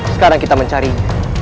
sekarang kita mencarinya